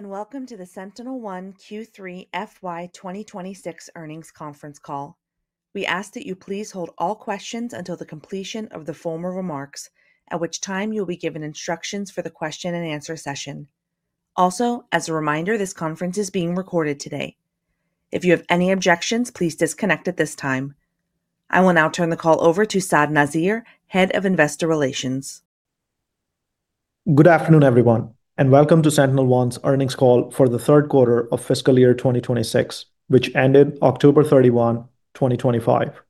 Hello and welcome to the SentinelOne Q3 FY 2026 earnings conference call. We ask that you please hold all questions until the completion of the forward remarks, at which time you'll be given instructions for the question-and-answer session. Also, as a reminder, this conference is being recorded today. If you have any objections, please disconnect at this time. I will now turn the call over to Saad Nazir, Head of Investor Relations. Good afternoon, everyone, and welcome to SentinelOne's earnings call for the third quarter of Fiscal Year 2026, which ended October 31, 2025.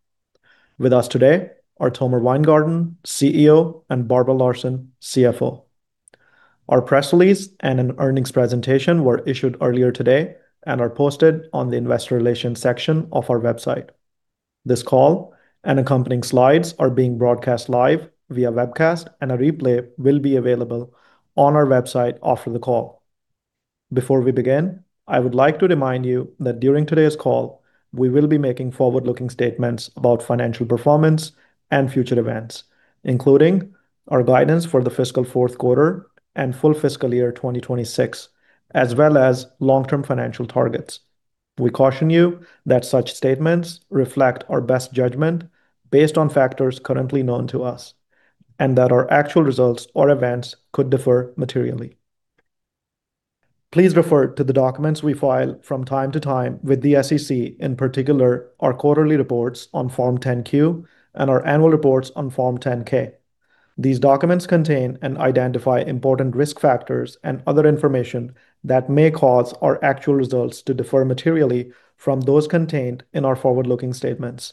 With us today are Tomer Weingarten, CEO, and Barbara Larson, CFO. Our press release and an earnings presentation were issued earlier today and are posted on the Investor Relations section of our website. This call and accompanying slides are being broadcast live via webcast, and a replay will be available on our website after the call. Before we begin, I would like to remind you that during today's call, we will be making forward-looking statements about financial performance and future events, including our guidance for the fiscal fourth quarter and full Fiscal Year 2026, as well as long-term financial targets. We caution you that such statements reflect our best judgment based on factors currently known to us, and that our actual results or events could differ materially. Please refer to the documents we file from time to time with the SEC, in particular our quarterly reports on Form 10-Q and our annual reports on Form 10-K. These documents contain and identify important risk factors and other information that may cause our actual results to differ materially from those contained in our forward-looking statements.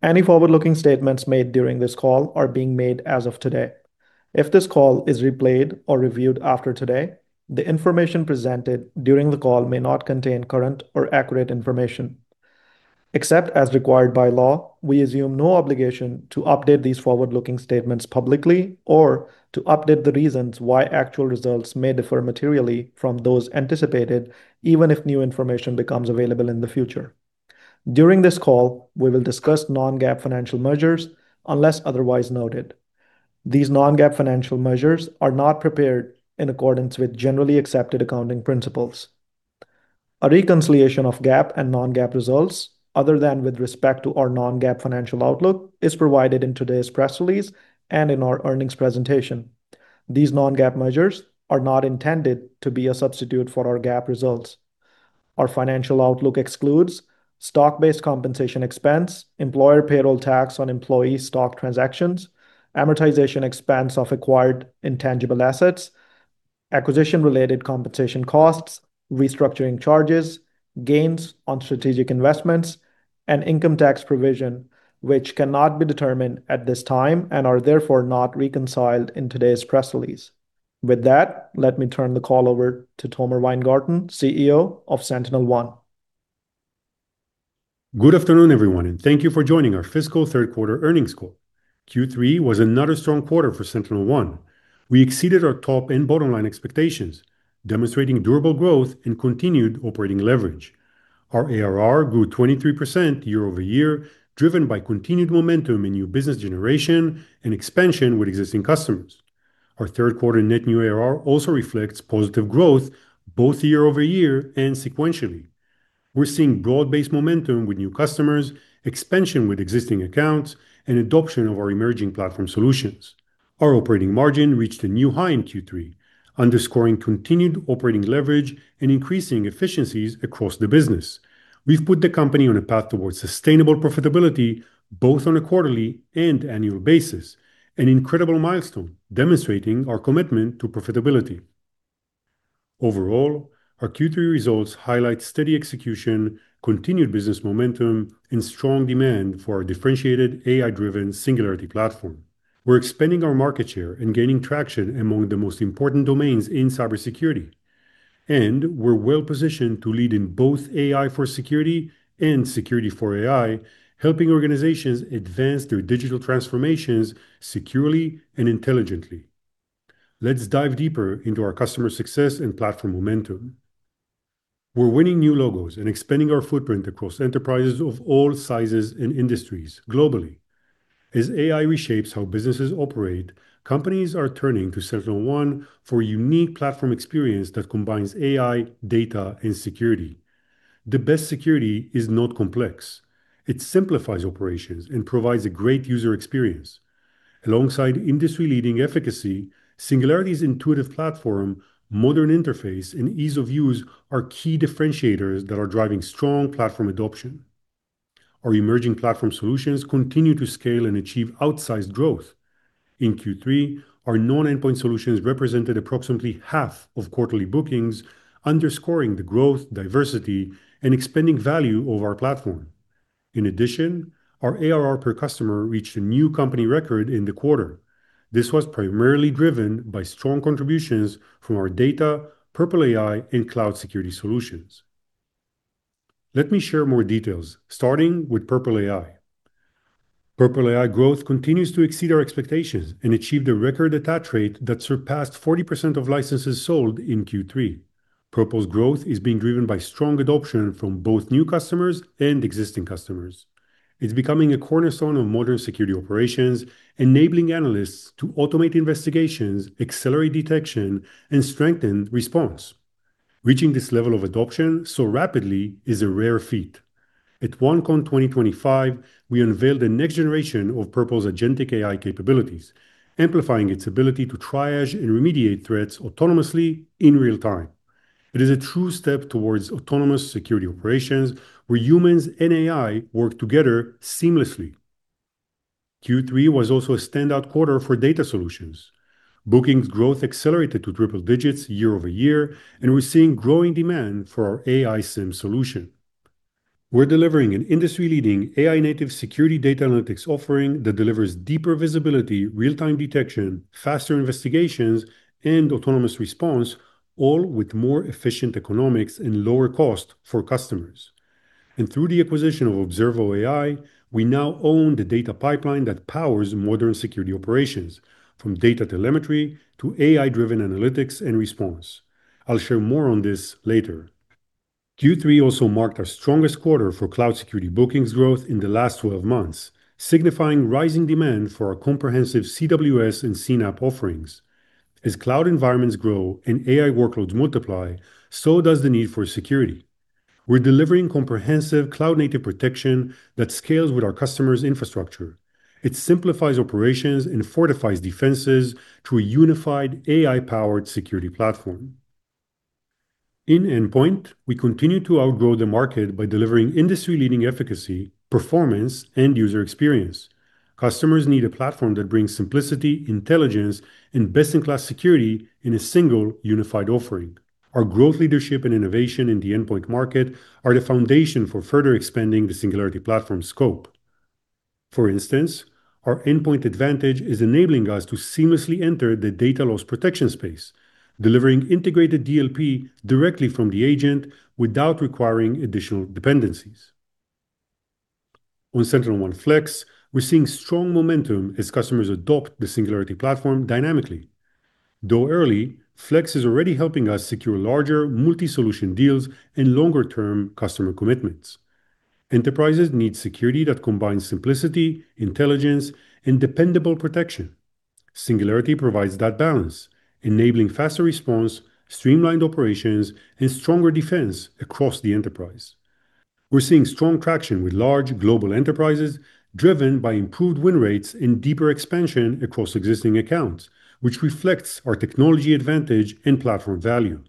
Any forward-looking statements made during this call are being made as of today. If this call is replayed or reviewed after today, the information presented during the call may not contain current or accurate information. Except as required by law, we assume no obligation to update these forward-looking statements publicly or to update the reasons why actual results may differ materially from those anticipated, even if new information becomes available in the future. During this call, we will discuss Non-GAAP financial measures unless otherwise noted. These non-GAAP financial measures are not prepared in accordance with generally accepted accounting principles. A reconciliation of GAAP and non-GAAP results, other than with respect to our non-GAAP financial outlook, is provided in today's press release and in our earnings presentation. These non-GAAP measures are not intended to be a substitute for our GAAP results. Our financial outlook excludes stock-based compensation expense, employer payroll tax on employee stock transactions, amortization expense of acquired intangible assets, acquisition-related compensation costs, restructuring charges, gains on strategic investments, and income tax provision, which cannot be determined at this time and are therefore not reconciled in today's press release. With that, let me turn the call over to Tomer Weingarten, CEO of SentinelOne. Good afternoon, everyone, and thank you for joining our fiscal third quarter earnings call. Q3 was another strong quarter for SentinelOne. We exceeded our top and bottom line expectations, demonstrating durable growth and continued operating leverage. Our ARR grew 23% year-over-year, driven by continued momentum in new business generation and expansion with existing customers. Our third quarter net new ARR also reflects positive growth both year-over-year and sequentially. We're seeing broad-based momentum with new customers, expansion with existing accounts, and adoption of our emerging platform solutions. Our operating margin reached a new high in Q3, underscoring continued operating leverage and increasing efficiencies across the business. We've put the company on a path towards sustainable profitability both on a quarterly and annual basis, an incredible milestone demonstrating our commitment to profitability. Overall, our Q3 results highlight steady execution, continued business momentum, and strong demand for our differentiated AI-driven Singularity Platform. We're expanding our market share and gaining traction among the most important domains in cybersecurity, and we're well positioned to lead in both AI for security and security for AI, helping organizations advance their digital transformations securely and intelligently. Let's dive deeper into our customer success and platform momentum. We're winning new logos and expanding our footprint across enterprises of all sizes and industries globally. As AI reshapes how businesses operate, companies are turning to SentinelOne for a unique platform experience that combines AI, data, and security. The best security is not complex. It simplifies operations and provides a great user experience. Alongside industry-leading efficacy, Singularity's intuitive platform, modern interface, and ease of use are key differentiators that are driving strong platform adoption. Our emerging platform solutions continue to scale and achieve outsized growth. In Q3, our non-endpoint solutions represented approximately half of quarterly bookings, underscoring the growth, diversity, and expanding value of our platform. In addition, our ARR per customer reached a new company record in the quarter. This was primarily driven by strong contributions from our data, Purple AI, and cloud security solutions. Let me share more details, starting with Purple AI. Purple AI growth continues to exceed our expectations and achieve the record attach rate that surpassed 40% of licenses sold in Q3. Purple's growth is being driven by strong adoption from both new customers and existing customers. It's becoming a cornerstone of modern security operations, enabling analysts to automate investigations, accelerate detection, and strengthen response. Reaching this level of adoption so rapidly is a rare feat. At OneCon 2025, we unveiled the next generation of Purple's agentic AI capabilities, amplifying its ability to triage and remediate threats autonomously in real time. It is a true step towards autonomous security operations where humans and AI work together seamlessly. Q3 was also a standout quarter for data solutions. Bookings growth accelerated to triple digits year-over-year, and we're seeing growing demand for our AI SIEM solution. We're delivering an industry-leading AI-native security data analytics offering that delivers deeper visibility, real-time detection, faster investigations, and autonomous response, all with more efficient economics and lower costs for customers. And through the acquisition of Observo AI, we now own the data pipeline that powers modern security operations, from data telemetry to AI-driven analytics and response. I'll share more on this later. Q3 also marked our strongest quarter for cloud security bookings growth in the last 12 months, signifying rising demand for our comprehensive CWS and CNAPP offerings. As cloud environments grow and AI workloads multiply, so does the need for security. We're delivering comprehensive cloud-native protection that scales with our customers' infrastructure. It simplifies operations and fortifies defenses through a unified AI-powered security platform. In endpoint, we continue to outgrow the market by delivering industry-leading efficacy, performance, and user experience. Customers need a platform that brings simplicity, intelligence, and best-in-class security in a single unified offering. Our growth leadership and innovation in the endpoint market are the foundation for further expanding the Singularity platform scope. For instance, our endpoint advantage is enabling us to seamlessly enter the data loss protection space, delivering integrated DLP directly from the agent without requiring additional dependencies. On SentinelOne Flex, we're seeing strong momentum as customers adopt the Singularity Platform dynamically. Though early, Flex is already helping us secure larger, multi-solution deals and longer-term customer commitments. Enterprises need security that combines simplicity, intelligence, and dependable protection. Singularity provides that balance, enabling faster response, streamlined operations, and stronger defense across the enterprise. We're seeing strong traction with large global enterprises, driven by improved win rates and deeper expansion across existing accounts, which reflects our technology advantage and platform value,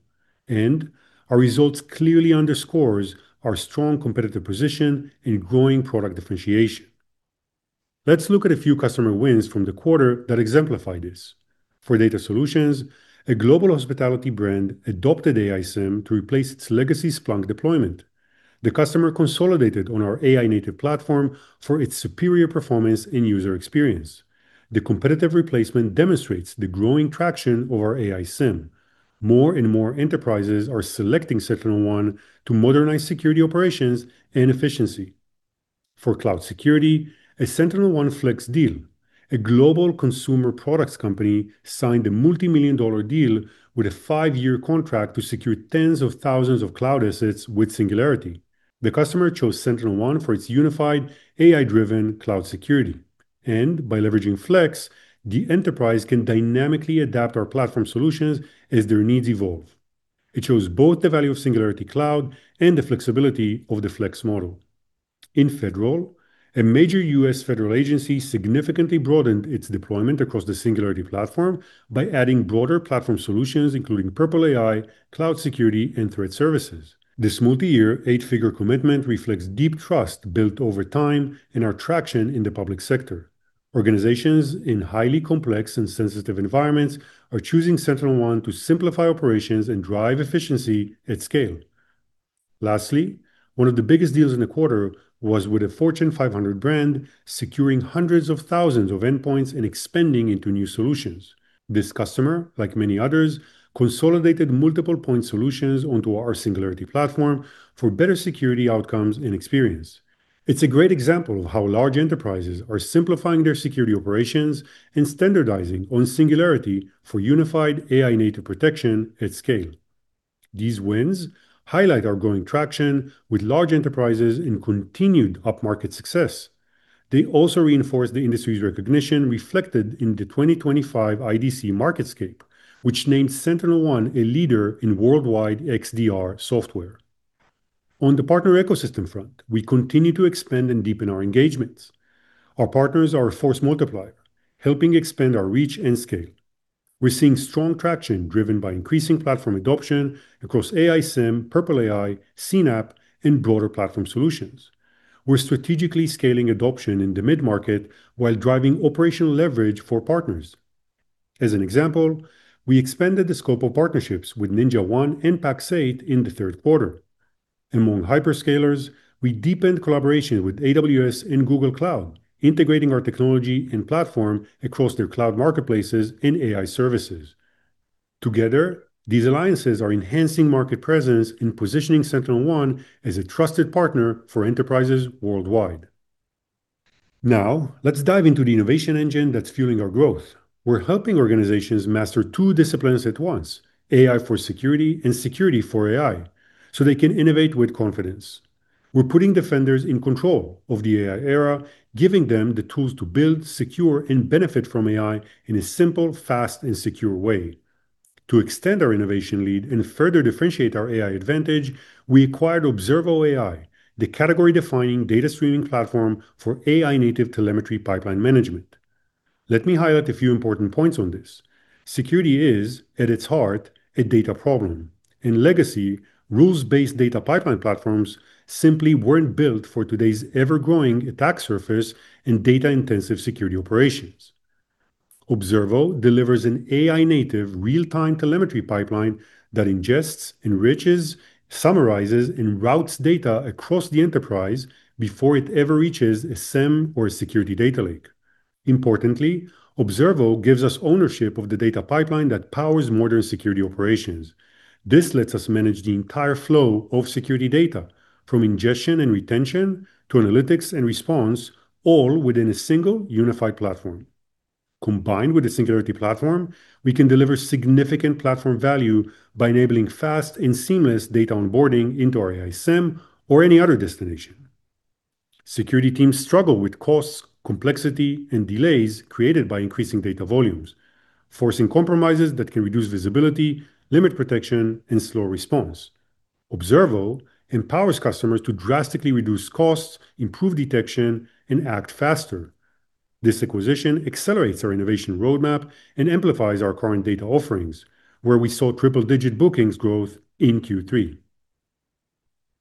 and our results clearly underscore our strong competitive position and growing product differentiation. Let's look at a few customer wins from the quarter that exemplify this. For data solutions, a global hospitality brand adopted AI SIEM to replace its legacy Splunk deployment. The customer consolidated on our AI-native platform for its superior performance and user experience. The competitive replacement demonstrates the growing traction of our AI SIEM. More and more enterprises are selecting SentinelOne to modernize security operations and efficiency. For cloud security, a SentinelOne Flex deal. A global consumer products company signed a multi-million dollar deal with a five-year contract to secure tens of thousands of cloud assets with Singularity. The customer chose SentinelOne for its unified AI-driven cloud security. And by leveraging Flex, the enterprise can dynamically adapt our platform solutions as their needs evolve. It shows both the value of Singularity Cloud and the flexibility of the Flex model. In Federal, a major U.S. Federal agency significantly broadened its deployment across the Singularity Platform by adding broader platform solutions, including Purple AI, cloud security, and threat services. This multi-year, eight-figure commitment reflects deep trust built over time and our traction in the public sector. Organizations in highly complex and sensitive environments are choosing SentinelOne to simplify operations and drive efficiency at scale. Lastly, one of the biggest deals in the quarter was with a Fortune 500 brand securing hundreds of thousands of endpoints and expanding into new solutions. This customer, like many others, consolidated multiple point solutions onto our Singularity Platform for better security outcomes and experience. It's a great example of how large enterprises are simplifying their security operations and standardizing on Singularity for unified AI-native protection at scale. These wins highlight our growing traction with large enterprises and continued upmarket success. They also reinforce the industry's recognition reflected in the 2025 IDC MarketScape, which named SentinelOne a leader in worldwide XDR software. On the partner ecosystem front, we continue to expand and deepen our engagements. Our partners are a force multiplier, helping expand our reach and scale. We're seeing strong traction driven by increasing platform adoption across AI SIEM, Purple AI, CNAPP, and broader platform solutions. We're strategically scaling adoption in the mid-market while driving operational leverage for partners. As an example, we expanded the scope of partnerships with NinjaOne and Pax8 in the third quarter. Among hyperscalers, we deepened collaboration with AWS and Google Cloud, integrating our technology and platform across their cloud marketplaces and AI services. Together, these alliances are enhancing market presence and positioning SentinelOne as a trusted partner for enterprises worldwide. Now, let's dive into the innovation engine that's fueling our growth. We're helping organizations master two disciplines at once, AI for security and security for AI, so they can innovate with confidence. We're putting defenders in control of the AI era, giving them the tools to build, secure, and benefit from AI in a simple, fast, and secure way. To extend our innovation lead and further differentiate our AI advantage, we acquired Observo AI, the category-defining data streaming platform for AI-native telemetry pipeline management. Let me highlight a few important points on this. Security is, at its heart, a data problem. In legacy, rules-based data pipeline platforms simply weren't built for today's ever-growing attack surface and data-intensive security operations. Observo delivers an AI-native real-time telemetry pipeline that ingests, enriches, summarizes, and routes data across the enterprise before it ever reaches a SIEM or a security data lake. Importantly, Observo gives us ownership of the data pipeline that powers modern security operations. This lets us manage the entire flow of security data, from ingestion and retention to analytics and response, all within a single unified platform. Combined with the Singularity Platform, we can deliver significant platform value by enabling fast and seamless data onboarding into our AI SIEM or any other destination. Security teams struggle with costs, complexity, and delays created by increasing data volumes, forcing compromises that can reduce visibility, limit protection, and slow response. Observo empowers customers to drastically reduce costs, improve detection, and act faster. This acquisition accelerates our innovation roadmap and amplifies our current data offerings, where we saw triple-digit bookings growth in Q3.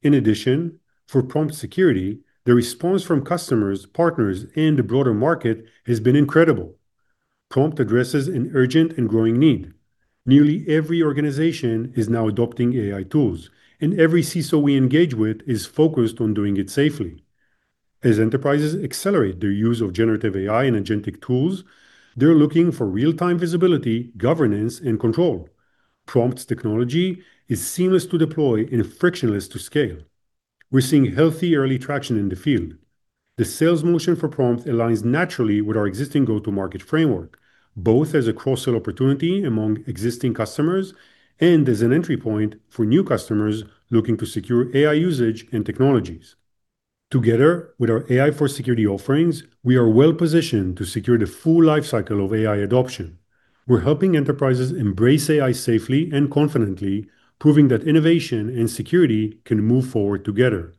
In addition, for Prompt Security, the response from customers, partners, and the broader market has been incredible. Prompt Security addresses an urgent and growing need. Nearly every organization is now adopting AI tools, and every CISO we engage with is focused on doing it safely. As enterprises accelerate their use of generative AI and agentic tools, they're looking for real-time visibility, governance, and control. Prompt technology is seamless to deploy and frictionless to scale. We're seeing healthy early traction in the field. The sales motion for Prompt aligns naturally with our existing go-to-market framework, both as a cross-sale opportunity among existing customers and as an entry point for new customers looking to secure AI usage and technologies. Together with our AI for security offerings, we are well-positioned to secure the full lifecycle of AI adoption. We're helping enterprises embrace AI safely and confidently, proving that innovation and security can move forward together.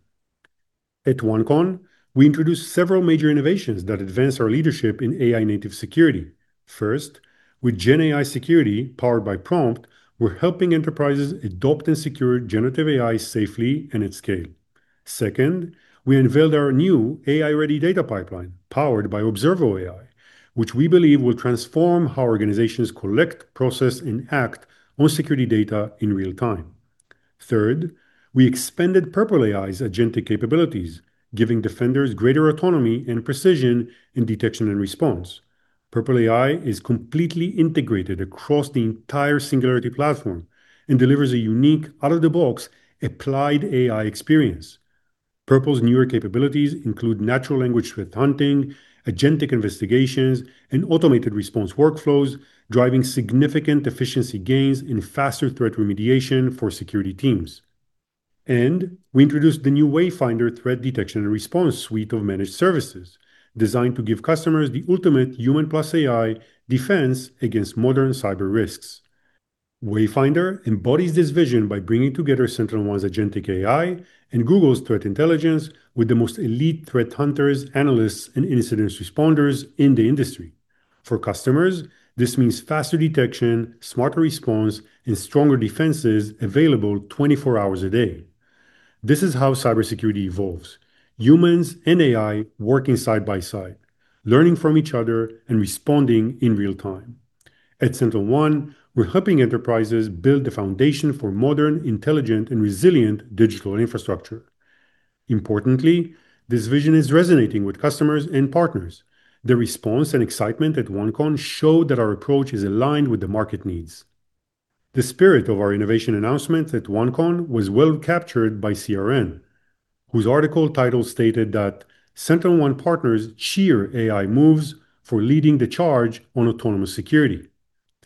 At OneCon, we introduced several major innovations that advance our leadership in AI-native security. First, with GenAI Security powered by Prompt, we're helping enterprises adopt and secure generative AI safely and at scale. Second, we unveiled our new AI-ready data pipeline powered by Observo AI, which we believe will transform how organizations collect, process, and act on security data in real time. Third, we expanded Purple AI's agentic capabilities, giving defenders greater autonomy and precision in detection and response. Purple AI is completely integrated across the entire Singularity Platform and delivers a unique, out-of-the-box applied AI experience. Purple's newer capabilities include natural language threat hunting, agentic investigations, and automated response workflows, driving significant efficiency gains and faster threat remediation for security teams, and we introduced the new WatchTower Threat Detection and Response suite of managed services, designed to give customers the ultimate Human + AI defense against modern cyber risks. WatchTower embodies this vision by bringing together SentinelOne's agentic AI and Google's threat intelligence with the most elite threat hunters, analysts, and incident responders in the industry. For customers, this means faster detection, smarter response, and stronger defenses available 24 hours a day. This is how cybersecurity evolves. Humans and AI working side by side, learning from each other and responding in real time. At SentinelOne, we're helping enterprises build the foundation for modern, intelligent, and resilient digital infrastructure. Importantly, this vision is resonating with customers and partners. The response and excitement at OneCon show that our approach is aligned with the market needs. The spirit of our innovation announcements at OneCon was well captured by CRN, whose article title stated that SentinelOne partners cheer AI moves for leading the charge on autonomous security.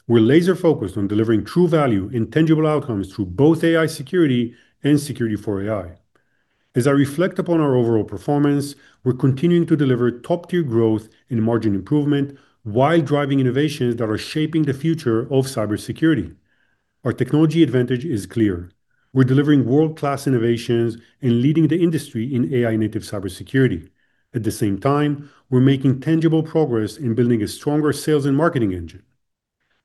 We're laser-focused on delivering true value and tangible outcomes through both AI security and security for AI. As I reflect upon our overall performance, we're continuing to deliver top-tier growth and margin improvement while driving innovations that are shaping the future of cybersecurity. Our technology advantage is clear. We're delivering world-class innovations and leading the industry in AI-native cybersecurity. At the same time, we're making tangible progress in building a stronger sales and marketing engine.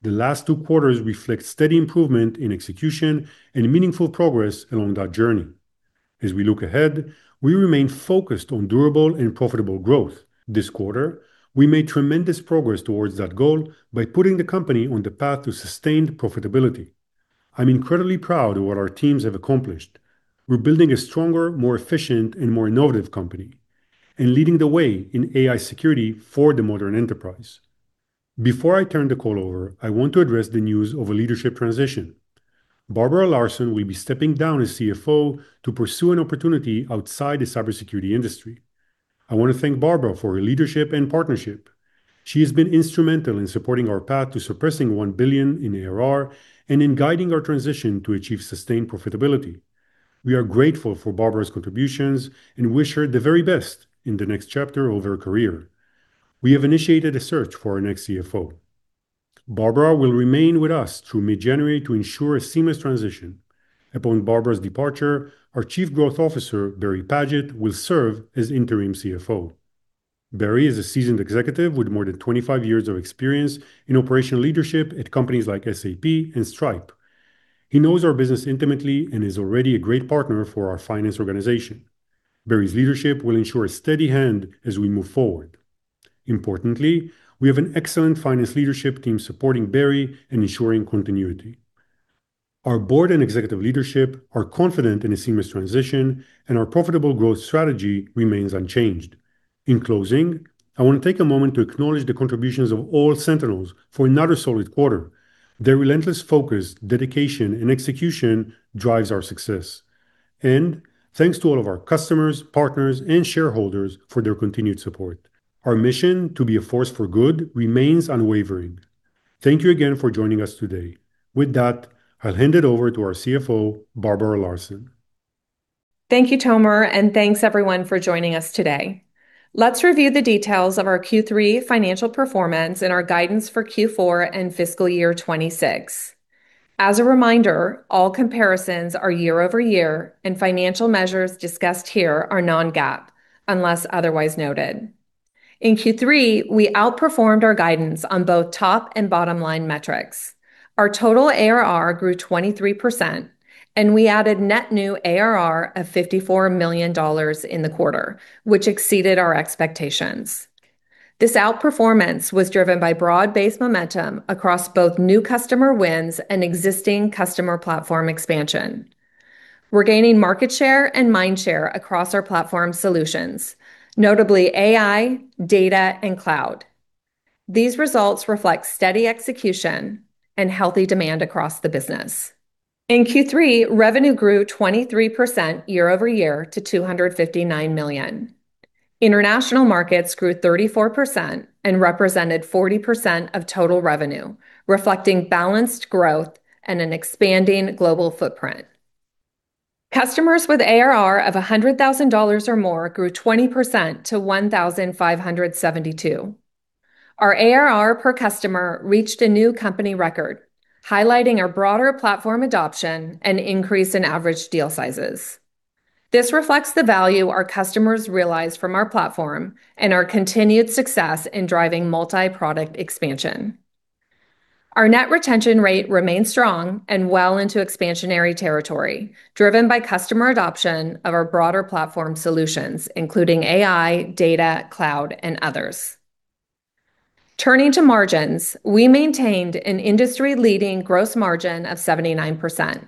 The last two quarters reflect steady improvement in execution and meaningful progress along that journey. As we look ahead, we remain focused on durable and profitable growth. This quarter, we made tremendous progress towards that goal by putting the company on the path to sustained profitability. I'm incredibly proud of what our teams have accomplished. We're building a stronger, more efficient, and more innovative company and leading the way in AI security for the modern enterprise. Before I turn the call over, I want to address the news of a leadership transition. Barbara Larson will be stepping down as CFO to pursue an opportunity outside the cybersecurity industry. I want to thank Barbara for her leadership and partnership. She has been instrumental in supporting our path to surpassing $1 billion in ARR and in guiding our transition to achieve sustained profitability. We are grateful for Barbara's contributions and wish her the very best in the next chapter of her career. We have initiated a search for our next CFO. Barbara will remain with us through mid-January to ensure a seamless transition. Upon Barbara's departure, our Chief Growth Officer, Barry Paget, will serve as interim CFO. Barry is a seasoned executive with more than 25 years of experience in operational leadership at companies like SAP and Stripe. He knows our business intimately and is already a great partner for our finance organization. Barry's leadership will ensure a steady hand as we move forward. Importantly, we have an excellent finance leadership team supporting Barry and ensuring continuity. Our board and executive leadership are confident in a seamless transition, and our profitable growth strategy remains unchanged. In closing, I want to take a moment to acknowledge the contributions of all Sentinels for another solid quarter. Their relentless focus, dedication, and execution drives our success. And thanks to all of our customers, partners, and shareholders for their continued support. Our mission to be a force for good remains unwavering. Thank you again for joining us today. With that, I'll hand it over to our CFO, Barbara Larson. Thank you, Tomer, and thanks everyone for joining us today. Let's review the details of our Q3 financial performance and our guidance for Q4 and Fiscal Year 2026. As a reminder, all comparisons are year-over-year, and financial measures discussed here are non-GAAP, unless otherwise noted. In Q3, we outperformed our guidance on both top and bottom line metrics. Our total ARR grew 23%, and we added net new ARR of $54 million in the quarter, which exceeded our expectations. This outperformance was driven by broad-based momentum across both new customer wins and existing customer platform expansion. We're gaining market share and mind share across our platform solutions, notably AI, data, and cloud. These results reflect steady execution and healthy demand across the business. In Q3, revenue grew 23% year-over-year to $259 million. International markets grew 34% and represented 40% of total revenue, reflecting balanced growth and an expanding global footprint. Customers with ARR of $100,000 or more grew 20% to 1,572. Our ARR per customer reached a new company record, highlighting our broader platform adoption and increase in average deal sizes. This reflects the value our customers realize from our platform and our continued success in driving multi-product expansion. Our net retention rate remains strong and well into expansionary territory, driven by customer adoption of our broader platform solutions, including AI, data, cloud, and others. Turning to margins, we maintained an industry-leading gross margin of 79%,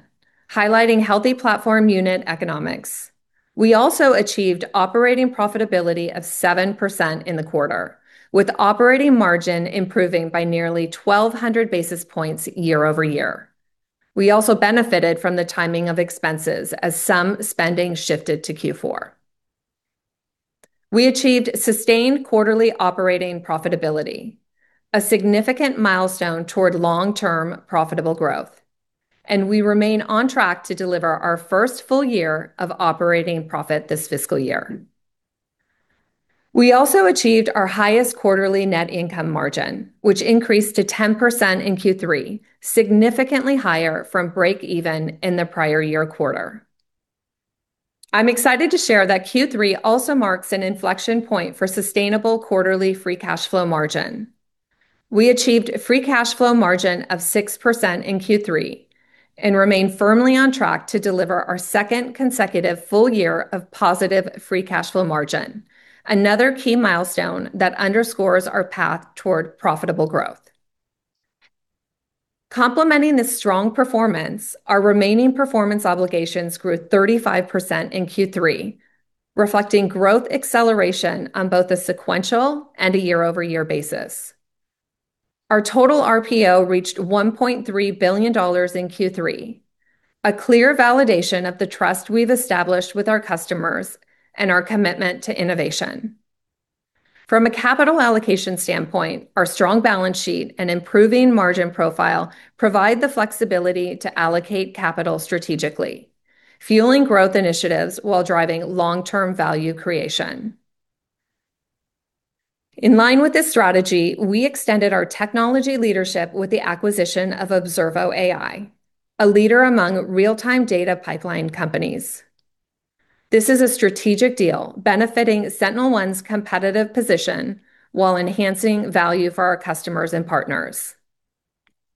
highlighting healthy platform unit economics. We also achieved operating profitability of 7% in the quarter, with operating margin improving by nearly 1,200 basis points year-over-year. We also benefited from the timing of expenses as some spending shifted to Q4. We achieved sustained quarterly operating profitability, a significant milestone toward long-term profitable growth, and we remain on track to deliver our first full year of operating profit this fiscal year. We also achieved our highest quarterly net income margin, which increased to 10% in Q3, significantly higher from break-even in the prior year quarter. I'm excited to share that Q3 also marks an inflection point for sustainable quarterly free cash flow margin. We achieved a free cash flow margin of 6% in Q3 and remain firmly on track to deliver our second consecutive full year of positive free cash flow margin, another key milestone that underscores our path toward profitable growth. Complementing this strong performance, our remaining performance obligations grew 35% in Q3, reflecting growth acceleration on both a sequential and a year-over-year basis. Our total RPO reached $1.3 billion in Q3, a clear validation of the trust we've established with our customers and our commitment to innovation. From a capital allocation standpoint, our strong balance sheet and improving margin profile provide the flexibility to allocate capital strategically, fueling growth initiatives while driving long-term value creation. In line with this strategy, we extended our technology leadership with the acquisition of Observo AI, a leader among real-time data pipeline companies. This is a strategic deal benefiting SentinelOne's competitive position while enhancing value for our customers and partners.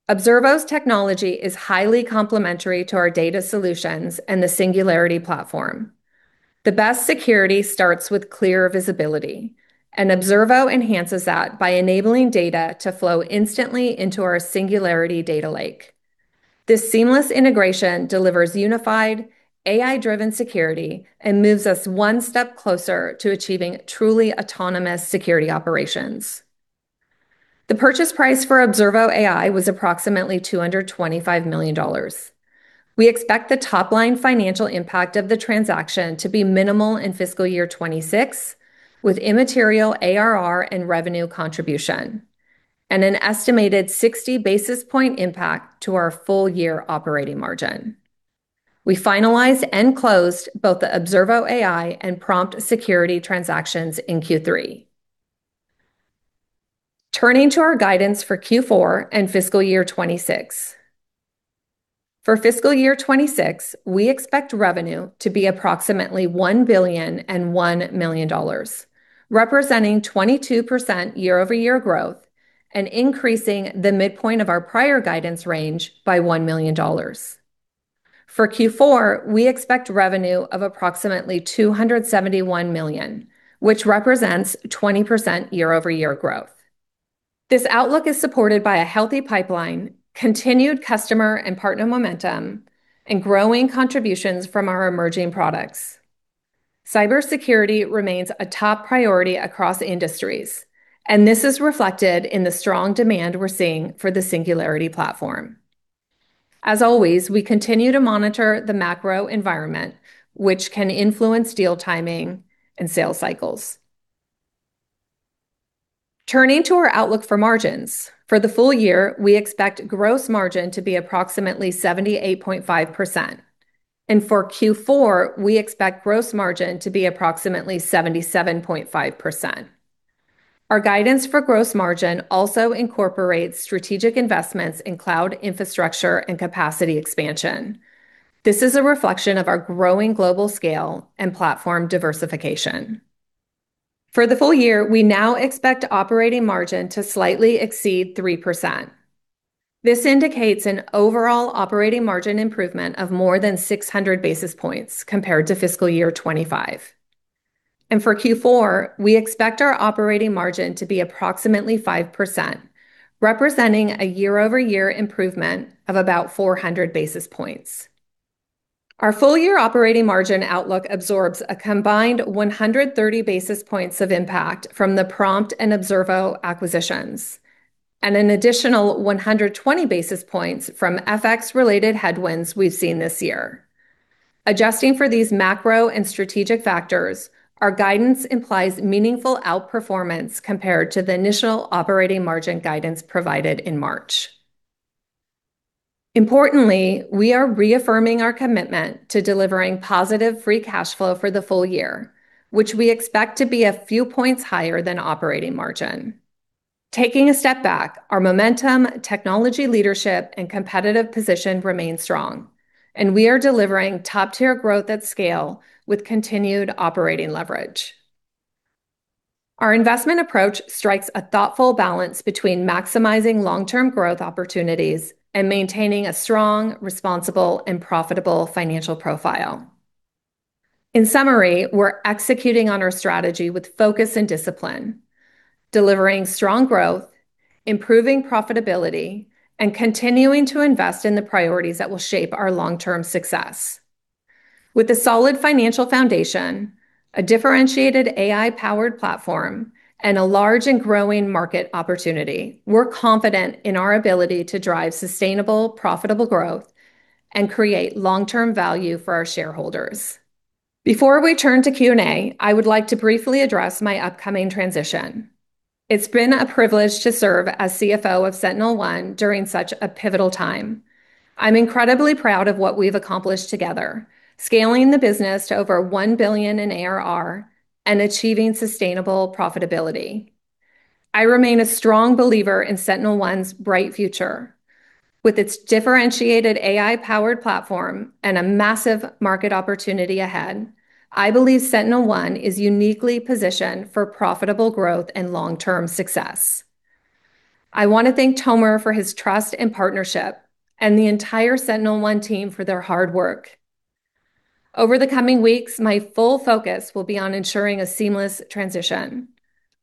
Observo AI's technology is highly complementary to our data solutions and the Singularity Platform. The best security starts with clear visibility, and Observo AI enhances that by enabling data to flow instantly into our Singularity Data Lake. This seamless integration delivers unified, AI-driven security and moves us one step closer to achieving truly autonomous security operations. The purchase price for Observo AI was approximately $225 million. We expect the top-line financial impact of the transaction to be minimal in Fiscal Year 2026, with immaterial ARR and revenue contribution, and an estimated 60 basis points impact to our full year operating margin. We finalized and closed both the Observo AI and Prompt Security transactions in Q3. Turning to our guidance for Q4 and Fiscal Year 2026. For Fiscal Year 2026, we expect revenue to be approximately $1 billion and $1 million, representing 22% year-over-year growth and increasing the midpoint of our prior guidance range by $1 million. For Q4, we expect revenue of approximately $271 million, which represents 20% year-over-year growth. This outlook is supported by a healthy pipeline, continued customer and partner momentum, and growing contributions from our emerging products. Cybersecurity remains a top priority across industries, and this is reflected in the strong demand we're seeing for the Singularity Platform. As always, we continue to monitor the macro environment, which can influence deal timing and sales cycles. Turning to our outlook for margins. For the full year, we expect gross margin to be approximately 78.5%, and for Q4, we expect gross margin to be approximately 77.5%. Our guidance for gross margin also incorporates strategic investments in cloud infrastructure and capacity expansion. This is a reflection of our growing global scale and platform diversification. For the full year, we now expect operating margin to slightly exceed 3%. This indicates an overall operating margin improvement of more than 600 basis points compared to Fiscal Year 2025. and for Q4, we expect our operating margin to be approximately 5%, representing a year-over-year improvement of about 400 basis points. Our full year operating margin outlook absorbs a combined 130 basis points of impact from the Prompt and Observo acquisitions, and an additional 120 basis points from FX-related headwinds we've seen this year. Adjusting for these macro and strategic factors, our guidance implies meaningful outperformance compared to the initial operating margin guidance provided in March. Importantly, we are reaffirming our commitment to delivering positive free cash flow for the full year, which we expect to be a few points higher than operating margin. Taking a step back, our momentum, technology leadership, and competitive position remain strong, and we are delivering top-tier growth at scale with continued operating leverage. Our investment approach strikes a thoughtful balance between maximizing long-term growth opportunities and maintaining a strong, responsible, and profitable financial profile. In summary, we're executing on our strategy with focus and discipline, delivering strong growth, improving profitability, and continuing to invest in the priorities that will shape our long-term success. With a solid financial foundation, a differentiated AI-powered platform, and a large and growing market opportunity, we're confident in our ability to drive sustainable, profitable growth and create long-term value for our shareholders. Before we turn to Q&A, I would like to briefly address my upcoming transition. It's been a privilege to serve as CFO of SentinelOne during such a pivotal time. I'm incredibly proud of what we've accomplished together, scaling the business to over $1 billion in ARR and achieving sustainable profitability. I remain a strong believer in SentinelOne's bright future. With its differentiated AI-powered platform and a massive market opportunity ahead, I believe SentinelOne is uniquely positioned for profitable growth and long-term success. I want to thank Tomer for his trust and partnership, and the entire SentinelOne team for their hard work. Over the coming weeks, my full focus will be on ensuring a seamless transition.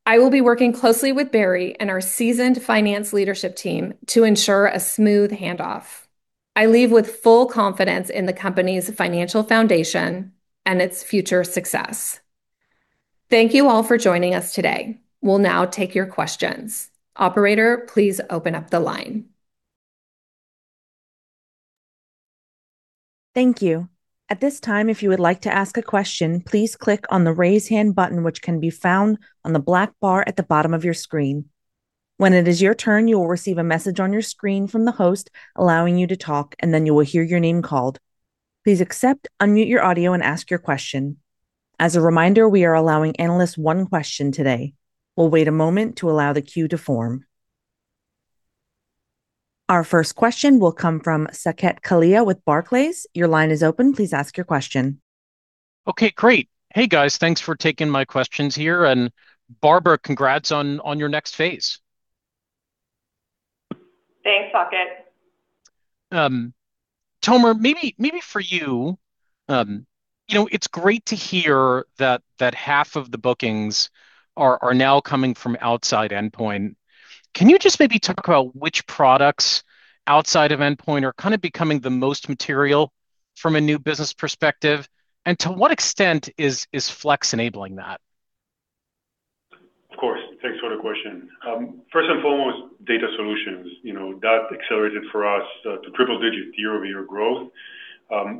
I will be working closely with Barry and our seasoned finance leadership team to ensure a smooth handoff. I leave with full confidence in the company's financial foundation and its future success. Thank you all for joining us today. We'll now take your questions. Operator, please open up the line. Thank you. At this time, if you would like to ask a question, please click on the raise hand button, which can be found on the black bar at the bottom of your screen. When it is your turn, you will receive a message on your screen from the host allowing you to talk, and then you will hear your name called. Please accept, unmute your audio, and ask your question. As a reminder, we are allowing analysts one question today. We'll wait a moment to allow the queue to form. Our first question will come from Saket Kalia with Barclays. Your line is open. Please ask your question. Okay, great. Hey, guys, thanks for taking my questions here. And Barbara, congrats on your next phase. Thanks, Saket. Tomer, maybe for you, it's great to hear that half of the bookings are now coming from outside endpoint. Can you just maybe talk about which products outside of endpoint are kind of becoming the most material from a new business perspective? And to what extent is Flex enabling that? Of course. Thanks for the question. First and foremost, data solutions. That accelerated for us to triple-digit year-over-year growth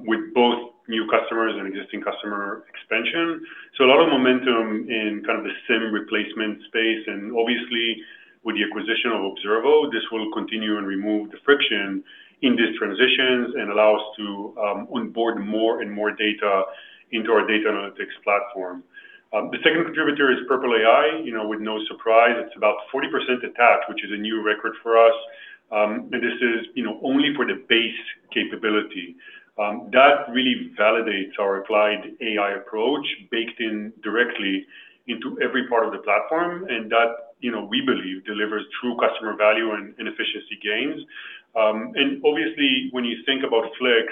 with both new customers and existing customer expansion. So a lot of momentum in kind of the SIEM replacement space. And obviously, with the acquisition of Observo, this will continue and remove the friction in these transitions and allow us to onboard more and more data into our data analytics platform. The second contributor is Purple AI, with no surprise. It's about 40% attached, which is a new record for us. And this is only for the base capability. That really validates our applied AI approach baked in directly into every part of the platform. That, we believe, delivers true customer value and efficiency gains. And obviously, when you think about Flex,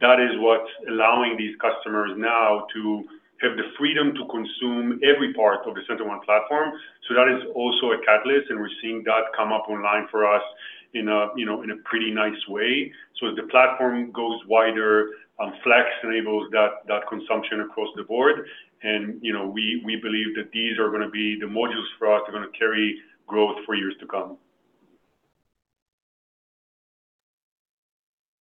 that is what's allowing these customers now to have the freedom to consume every part of the SentinelOne platform. So that is also a catalyst, and we're seeing that come up online for us in a pretty nice way. So as the platform goes wider, Flex enables that consumption across the board. And we believe that these are going to be the modules for us that are going to carry growth for years to come.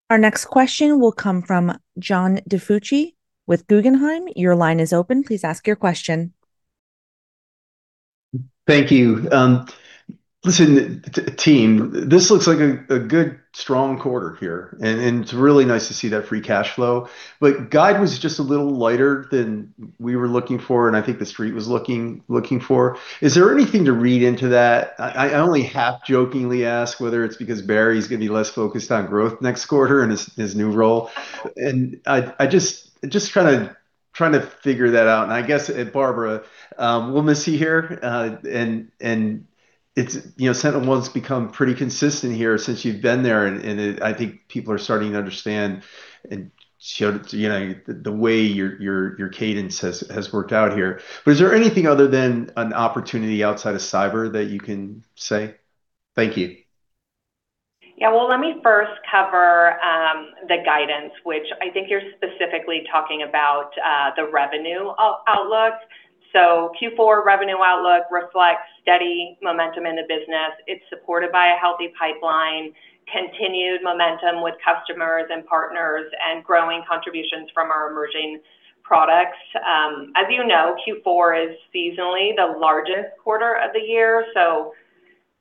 Our next question will come from John DiFucci with Guggenheim. Your line is open. Please ask your question. Thank you. Listen, team, this looks like a good, strong quarter here. And it's really nice to see that free cash flow. Guidance was just a little lighter than we were looking for, and I think the street was looking for. Is there anything to read into that? I only half-jokingly ask whether it's because Barry's going to be less focused on growth next quarter in his new role. I'm just trying to figure that out. I guess, Barbara, we'll miss you here. SentinelOne's become pretty consistent here since you've been there. I think people are starting to understand the way your cadence has worked out here. Is there anything other than an opportunity outside of cyber that you can say? Thank you. Yeah, well, let me first cover the guidance, which I think you're specifically talking about the revenue outlook. Q4 revenue outlook reflects steady momentum in the business. It's supported by a healthy pipeline, continued momentum with customers and partners, and growing contributions from our emerging products. As you know, Q4 is seasonally the largest quarter of the year. So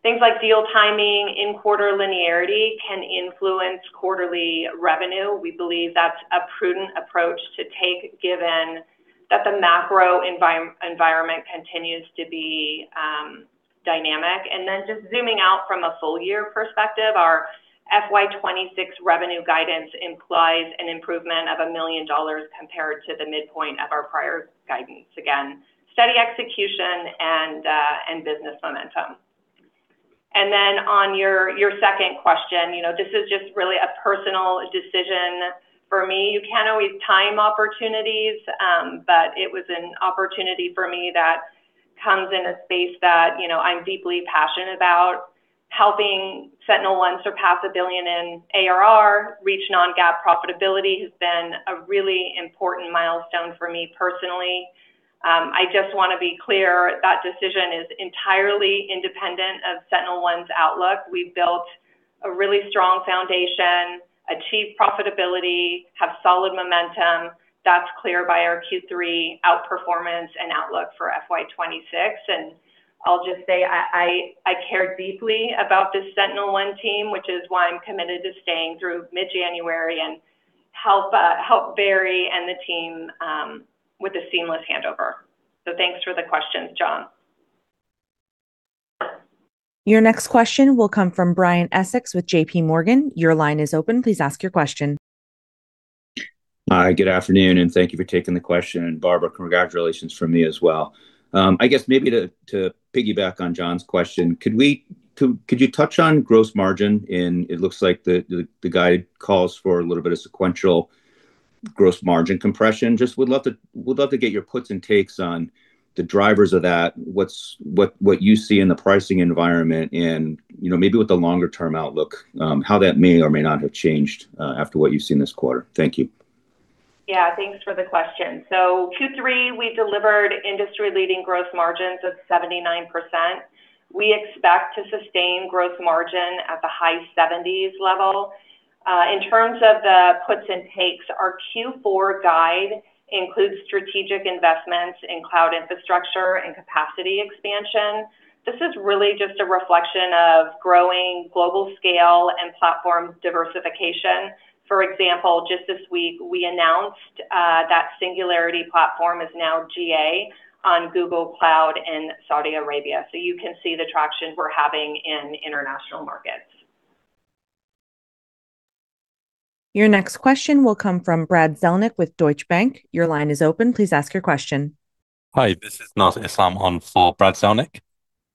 things like deal timing and quarter linearity can influence quarterly revenue. We believe that's a prudent approach to take given that the macro environment continues to be dynamic. And then just zooming out from a full-year perspective, our FY 2026 revenue guidance implies an improvement of $1 million compared to the midpoint of our prior guidance. Again, steady execution and business momentum. And then on your second question, this is just really a personal decision for me. You can't always time opportunities, but it was an opportunity for me that comes in a space that I'm deeply passionate about. Helping SentinelOne surpass $1 billion in ARR, reach non-GAAP profitability has been a really important milestone for me personally. I just want to be clear that decision is entirely independent of SentinelOne's outlook. We've built a really strong foundation, achieved profitability, have solid momentum. That's clear by our Q3 outperformance and outlook for FY 2026, and I'll just say I care deeply about this SentinelOne team, which is why I'm committed to staying through mid-January and help Barry and the team with a seamless handover, so thanks for the questions, John. Your next question will come from Brian Essex with J.P. Morgan. Your line is open. Please ask your question. Hi, good afternoon, and thank you for taking the question and, Barbara, congratulations from me as well. I guess maybe to piggyback on John's question, could you touch on gross margin, and it looks like the guide calls for a little bit of sequential gross margin compression. Just would love to get your puts and takes on the drivers of that, what you see in the pricing environment, and maybe with the longer-term outlook, how that may or may not have changed after what you've seen this quarter. Thank you. Yeah, thanks for the question. So Q3, we delivered industry-leading gross margins of 79%. We expect to sustain gross margin at the high 70s level. In terms of the puts and takes, our Q4 guide includes strategic investments in cloud infrastructure and capacity expansion. This is really just a reflection of growing global scale and platform diversification. For example, just this week, we announced that Singularity Platform is now GA on Google Cloud in Saudi Arabia. So you can see the traction we're having in international markets. Your next question will come from Brad Zelnick with Deutsche Bank. Your line is open. Please ask your question. Hi, this is Nasr Islam on for Brad Zelnick.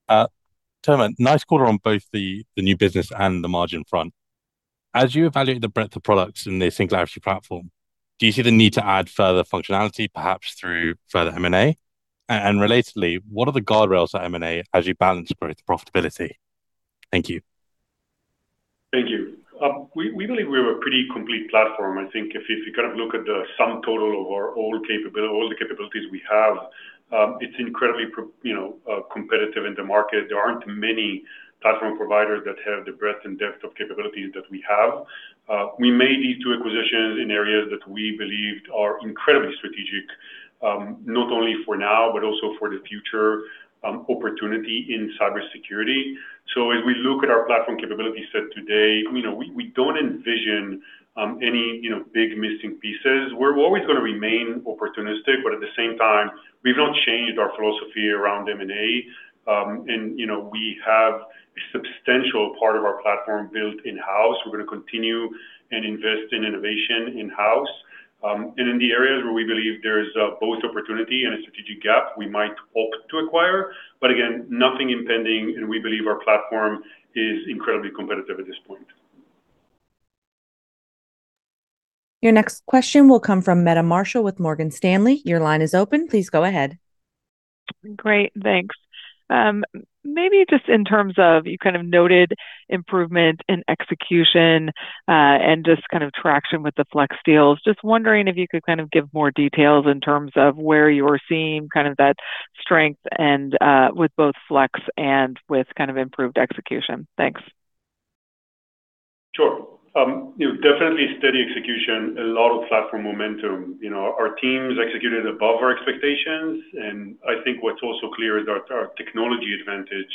Tomer, nice quarter on both the new business and the margin front. As you evaluate the breadth of products in the Singularity Platform, do you see the need to add further functionality, perhaps through further M&A? And relatedly, what are the guardrails at M&A as you balance growth and profitability? Thank you. Thank you. We believe we have a pretty complete platform. I think if you kind of look at the sum total of all the capabilities we have, it's incredibly competitive in the market. There aren't many platform providers that have the breadth and depth of capabilities that we have. We made these two acquisitions in areas that we believed are incredibly strategic, not only for now, but also for the future opportunity in cybersecurity. So as we look at our platform capability set today, we don't envision any big missing pieces. We're always going to remain opportunistic, but at the same time, we've not changed our philosophy around M&A. And we have a substantial part of our platform built in-house. We're going to continue and invest in innovation in-house. And in the areas where we believe there's both opportunity and a strategic gap, we might opt to acquire. But again, nothing impending, and we believe our platform is incredibly competitive at this point. Your next question will come from Meta Marshall with Morgan Stanley. Your line is open. Please go ahead. Great, thanks. Maybe just in terms of you kind of noted improvement in execution and just kind of traction with the Flex deals. Just wondering if you could kind of give more details in terms of where you're seeing kind of that strength with both Flex and with kind of improved execution? Thanks. Sure. Definitely steady execution, a lot of platform momentum. Our teams executed above our expectations. And I think what's also clear is our technology advantage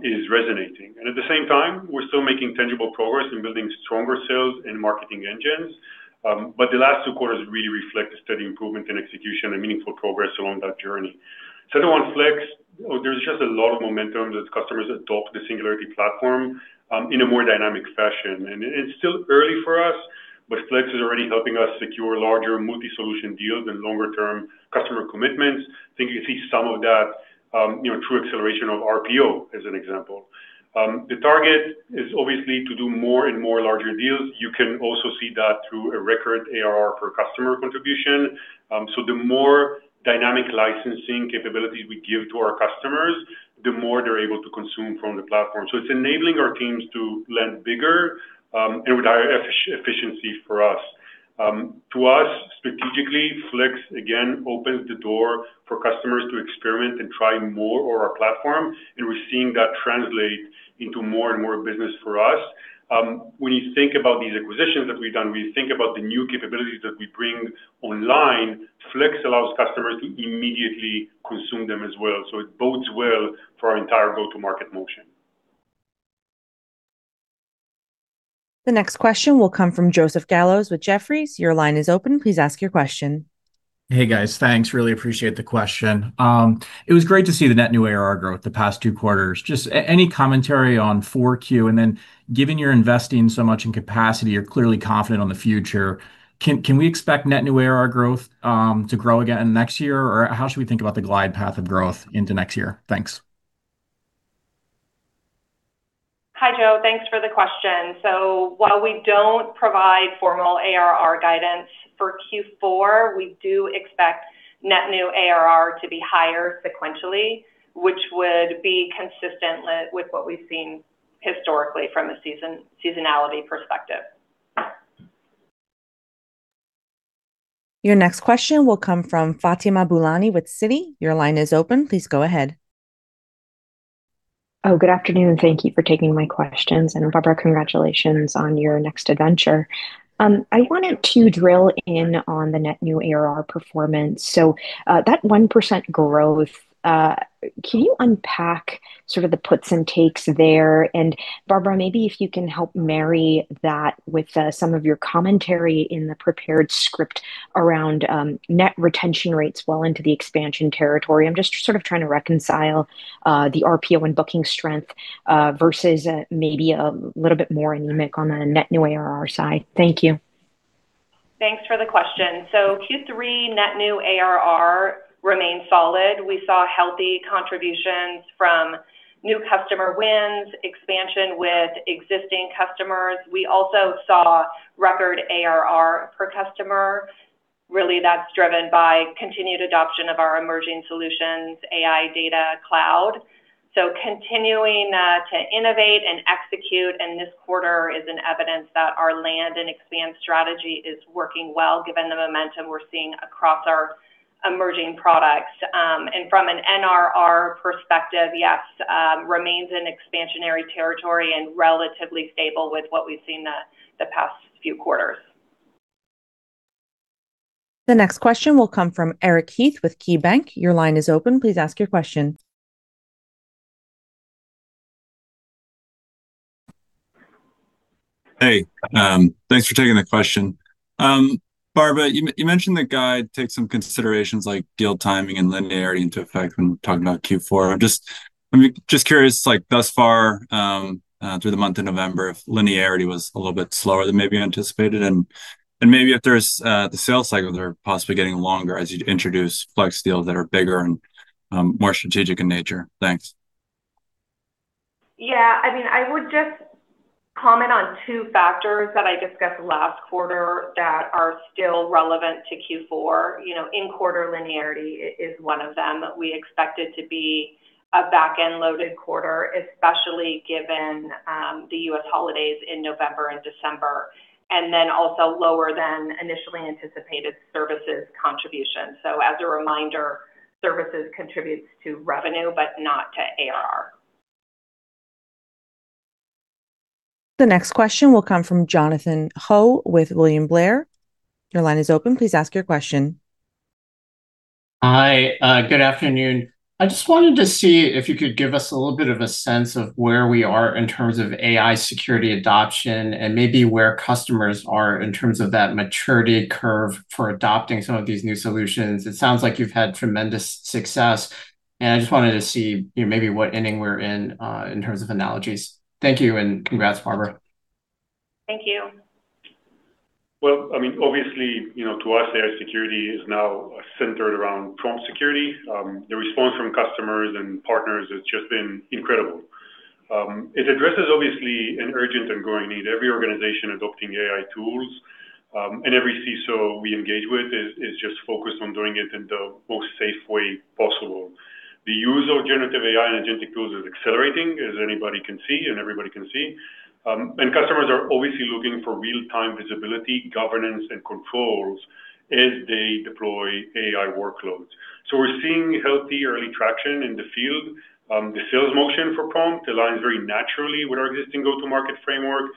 is resonating. And at the same time, we're still making tangible progress in building stronger sales and marketing engines. But the last two quarters really reflect a steady improvement in execution and meaningful progress along that journey. SentinelOne Flex, there's just a lot of momentum as customers adopt the Singularity Platform in a more dynamic fashion. And it's still early for us, but Flex is already helping us secure larger multi-solution deals and longer-term customer commitments. I think you see some of that true acceleration of RPO, as an example. The target is obviously to do more and more larger deals. You can also see that through a record ARR per customer contribution. So the more dynamic licensing capabilities we give to our customers, the more they're able to consume from the platform. So it's enabling our teams to lend bigger and with higher efficiency for us. To us, strategically, Flex, again, opens the door for customers to experiment and try more of our platform. And we're seeing that translate into more and more business for us. When you think about these acquisitions that we've done, when you think about the new capabilities that we bring online, Flex allows customers to immediately consume them as well. So it bodes well for our entire go-to-market motion. The next question will come from Joseph Gallo with Jefferies. Your line is open. Please ask your question. Hey, guys, thanks. Really appreciate the question. It was great to see the net new ARR growth the past two quarters. Just any commentary on 4Q? And then, given you're investing so much in capacity, you're clearly confident on the future. Can we expect net new ARR growth to grow again next year? Or how should we think about the glide path of growth into next year? Thanks. Hi, Joe. Thanks for the question. So while we don't provide formal ARR guidance for Q4, we do expect net new ARR to be higher sequentially, which would be consistent with what we've seen historically from a seasonality perspective. Your next question will come from Fatima Boolani with Citi. Your line is open. Please go ahead. Oh, good afternoon. Thank you for taking my questions. And Barbara, congratulations on your next adventure. I wanted to drill in on the net new ARR performance. So that 1% growth, can you unpack sort of the puts and takes there? And Barbara, maybe if you can help marry that with some of your commentary in the prepared script around net retention rates well into the expansion territory. I'm just sort of trying to reconcile the RPO and booking strength versus maybe a little bit more anemic on the net new ARR side. Thank you. Thanks for the question. So Q3 net new ARR remained solid. We saw healthy contributions from new customer wins, expansion with existing customers. We also saw record ARR per customer. Really, that's driven by continued adoption of our emerging solutions, AI, data, cloud. So continuing to innovate and execute in this quarter is an evidence that our land and expand strategy is working well, given the momentum we're seeing across our emerging products. And from an NRR perspective, yes, remains in expansionary territory and relatively stable with what we've seen the past few quarters. The next question will come from Eric Heath with KeyBanc. Your line is open. Please ask your question. Hey, thanks for taking the question. Barbara, you mentioned the guide takes some considerations like deal timing and linearity into effect when talking about Q4. I'm just curious, thus far, through the month of November, if linearity was a little bit slower than maybe anticipated. And maybe if there's the sales cycles are possibly getting longer as you introduce Flex deals that are bigger and more strategic in nature. Thanks. Yeah, I mean, I would just comment on two factors that I discussed last quarter that are still relevant to Q4. In quarter, linearity is one of them. We expect it to be a back-end loaded quarter, especially given the U.S. holidays in November and December. And then also lower than initially anticipated services contribution. So as a reminder, services contributes to revenue, but not to ARR. The next question will come from Jonathan Ho with William Blair. Your line is open. Please ask your question. Hi, good afternoon. I just wanted to see if you could give us a little bit of a sense of where we are in terms of AI security adoption and maybe where customers are in terms of that maturity curve for adopting some of these new solutions. It sounds like you've had tremendous success. And I just wanted to see maybe what inning we're in in terms of analogies. Thank you, and congrats, Barbara. Thank you. Well, I mean, obviously, to us, AI security is now centered around Prompt Security. The response from customers and partners has just been incredible. It addresses, obviously, an urgent ongoing need. Every organization adopting AI tools and every CISO we engage with is just focused on doing it in the most safe way possible. The use of generative AI and agentic tools is accelerating, as anybody can see and everybody can see, and customers are obviously looking for real-time visibility, governance, and controls as they deploy AI workloads, so we're seeing healthy early traction in the field. The sales motion for Prompt aligns very naturally with our existing go-to-market framework.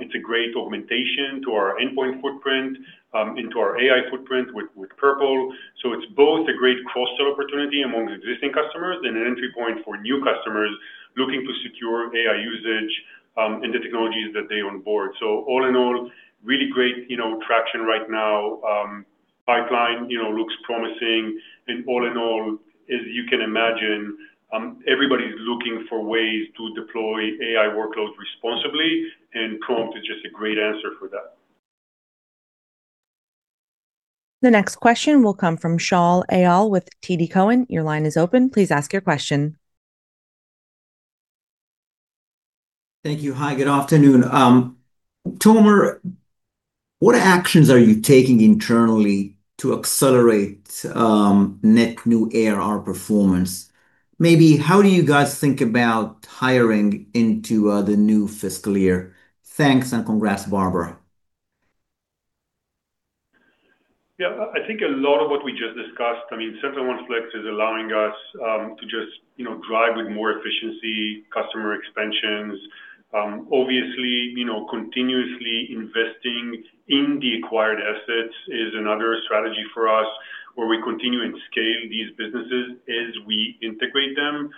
It's a great augmentation to our endpoint footprint into our AI footprint with Purple, so it's both a great cross-sell opportunity among existing customers and an entry point for new customers looking to secure AI usage and the technologies that they onboard, so all in all, really great traction right now. Pipeline looks promising. All in all, as you can imagine, everybody's looking for ways to deploy AI workloads responsibly. Prompt is just a great answer for that. The next question will come from Shaul Eyal with TD Cowen. Your line is open. Please ask your question. Thank you. Hi, good afternoon. Tomer, what actions are you taking internally to accelerate net new ARR performance? Maybe how do you guys think about hiring into the new fiscal year? Thanks and congrats, Barbara. Yeah, I think a lot of what we just discussed, I mean, SentinelOne Flex is allowing us to just drive with more efficiency, customer expansions. Obviously, continuously investing in the acquired assets is another strategy for us where we continue and scale these businesses as we integrate them.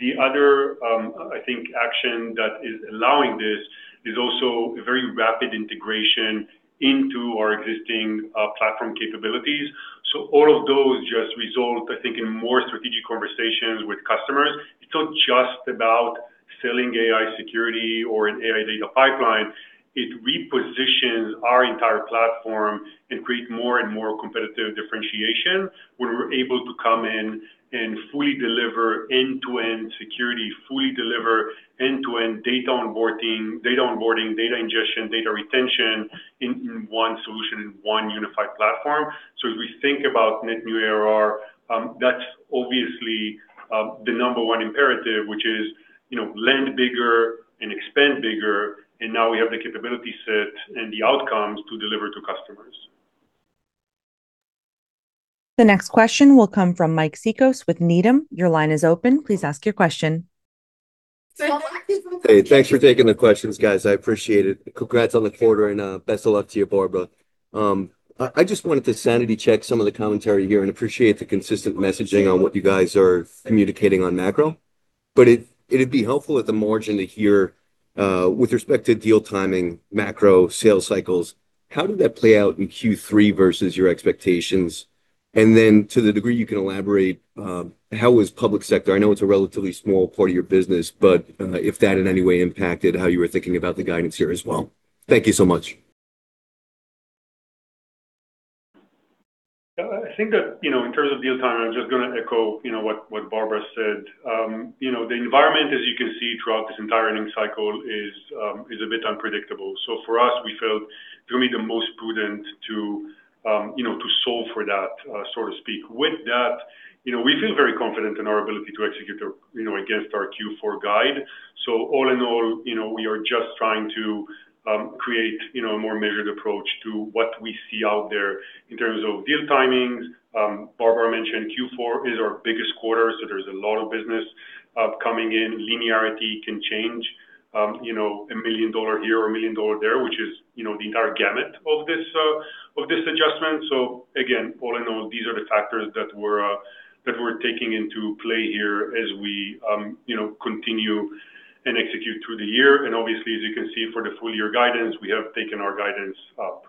The other, I think, action that is allowing this is also a very rapid integration into our existing platform capabilities. So all of those just result, I think, in more strategic conversations with customers. It's not just about selling AI security or an AI data pipeline. It repositions our entire platform and creates more and more competitive differentiation when we're able to come in and fully deliver end-to-end security, fully deliver end-to-end data onboarding, data ingestion, data retention in one solution, in one unified platform. So as we think about net new ARR, that's obviously the number one imperative, which is land bigger and expand bigger. And now we have the capability set and the outcomes to deliver to customers. The next question will come from Mike Cikos with Needham. Your line is open. Please ask your question. Hey, thanks for taking the questions, guys. I appreciate it. Congrats on the quarter and best of luck to you, Barbara. I just wanted to sanity check some of the commentary here and appreciate the consistent messaging on what you guys are communicating on macro. But it'd be helpful at the margin to hear, with respect to deal timing, macro sales cycles, how did that play out in Q3 versus your expectations? And then to the degree you can elaborate, how was public sector? I know it's a relatively small part of your business, but if that in any way impacted how you were thinking about the guidance here as well. Thank you so much. I think that in terms of deal time, I'm just going to echo what Barbara said. The environment, as you can see throughout this entire earnings cycle, is a bit unpredictable. So for us, we felt, for me, the most prudent to solve for that, so to speak. With that, we feel very confident in our ability to execute against our Q4 guide. So all in all, we are just trying to create a more measured approach to what we see out there in terms of deal timings. Barbara mentioned Q4 is our biggest quarter, so there's a lot of business coming in. Linearity can change $1 million here or $1 million there, which is the entire gamut of this adjustment. So again, all in all, these are the factors that we're taking into play here as we continue and execute through the year. And obviously, as you can see for the full year guidance, we have taken our guidance up.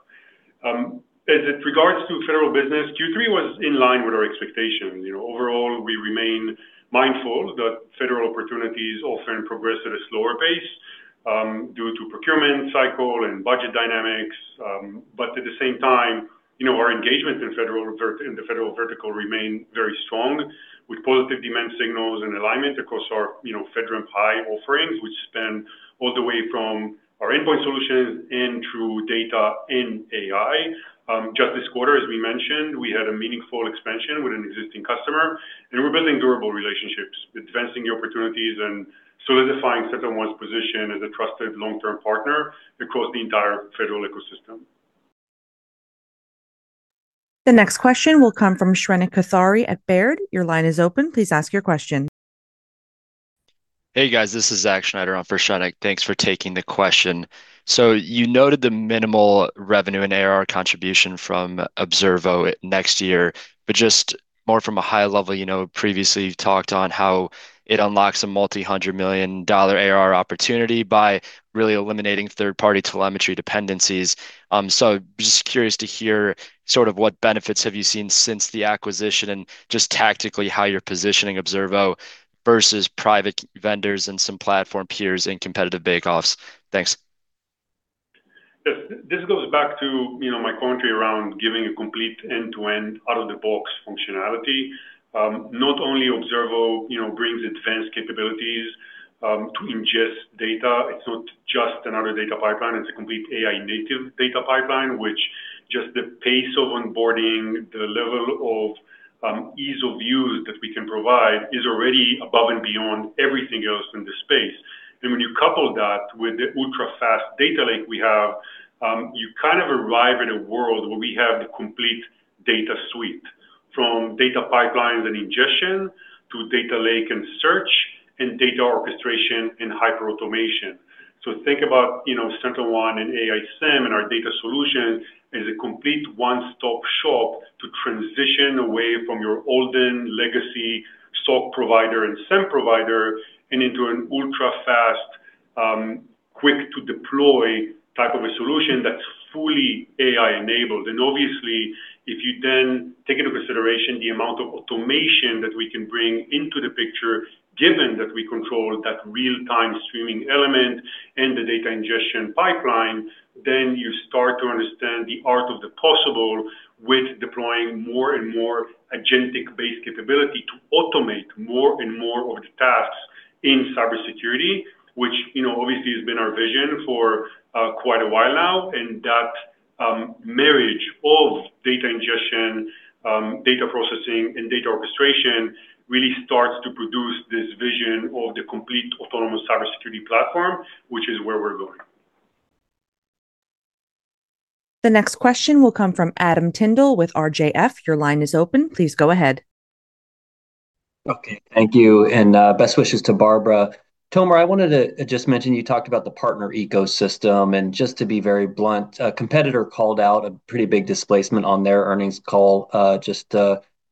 As it regards to Federal business, Q3 was in line with our expectations. Overall, we remain mindful that Federal opportunities often progress at a slower pace due to procurement cycle and budget dynamics. But at the same time, our engagement in the Federal vertical remained very strong with positive demand signals and alignment across our FedRAMP high offerings, which span all the way from our endpoint solutions and through data and AI. Just this quarter, as we mentioned, we had a meaningful expansion with an existing customer. And we're building durable relationships, advancing the opportunities, and solidifying SentinelOne's position as a trusted long-term partner across the entire Federal ecosystem. The next question will come from Shrenik Kothari at Baird. Your line is open. Please ask your question. Hey, guys, this is Zach Schneider on for Shrenik. Thanks for taking the question. So you noted the minimal revenue and ARR contribution from Observo next year, but just more from a high level, previously talked on how it unlocks a multi-hundred million dollar ARR opportunity by really eliminating third-party telemetry dependencies. So just curious to hear sort of what benefits have you seen since the acquisition and just tactically how you're positioning Observo versus private vendors and some platform peers and competitive bake-offs? Thanks. This goes back to my commentary around giving a complete end-to-end out-of-the-box functionality. Not only Observo brings advanced capabilities to ingest data, it's not just another data pipeline. It's a complete AI-native data pipeline, which just the pace of onboarding, the level of ease of use that we can provide is already above and beyond everything else in this space. And when you couple that with the ultra-fast data lake we have, you kind of arrive at a world where we have the complete data suite from data pipelines and ingestion to data lake and search and data orchestration and hyperautomation. Think about SentinelOne and AI SIEM and our data solution as a complete one-stop shop to transition away from your old legacy SIEM provider and into an ultra-fast, quick-to-deploy type of a solution that's fully AI-enabled. And obviously, if you then take into consideration the amount of automation that we can bring into the picture, given that we control that real-time streaming element and the data ingestion pipeline, then you start to understand the art of the possible with deploying more and more agentic-based capability to automate more and more of the tasks in cybersecurity, which obviously has been our vision for quite a while now. And that marriage of data ingestion, data processing, and data orchestration really starts to produce this vision of the complete autonomous cybersecurity platform, which is where we're going. The next question will come from Adam Tindle with RJF. Your line is open. Please go ahead. Okay, thank you. And best wishes to Barbara. Tomer, I wanted to just mention you talked about the partner ecosystem. And just to be very blunt, a competitor called out a pretty big displacement on their earnings call just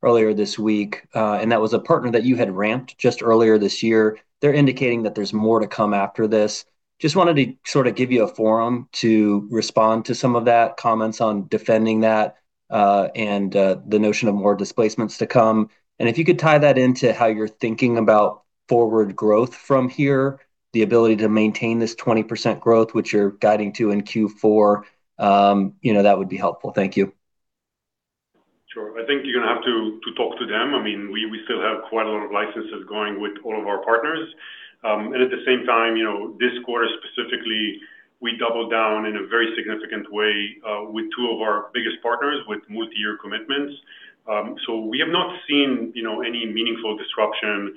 earlier this week. And that was a partner that you had ramped just earlier this year. They're indicating that there's more to come after this. Just wanted to sort of give you a forum to respond to some of that, comments on defending that, and the notion of more displacements to come. And if you could tie that into how you're thinking about forward growth from here, the ability to maintain this 20% growth, which you're guiding to in Q4, that would be helpful. Thank you. Sure. I think you're going to have to talk to them. I mean, we still have quite a lot of licenses going with all of our partners. And at the same time, this quarter specifically, we doubled down in a very significant way with two of our biggest partners with multi-year commitments. So we have not seen any meaningful disruption